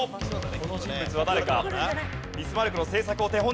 この人物は誰か。